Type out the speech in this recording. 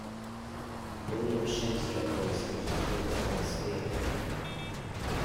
William Shenstone wrote some of his works whilst staying there.